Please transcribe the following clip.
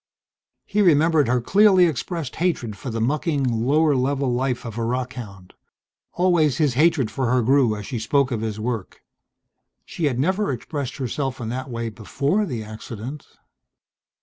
He remembered her clearly expressed hatred for the mucking, lower level life of a rockhound. Always his hatred for her grew as she spoke of his work.... She had never expressed herself in that way before the accident.